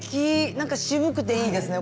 なんか渋くていいですね。